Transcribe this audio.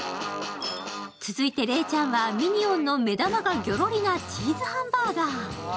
続いて礼ちゃんはミニオンの目玉がギョロリなチーズハンバーガー。